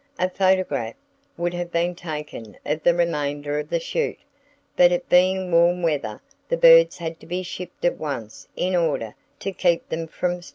A photograph would have been taken of the remainder of the shoot, but it being warm weather the birds had to be shipped at once in order to keep them from spoiling.